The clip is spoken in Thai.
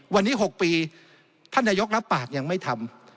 วันนี้๖ปีท่านนายกรับปากยังไม่ทำ